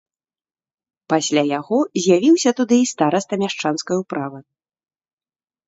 Пасля яго з'явіўся туды і стараста мяшчанскай управы.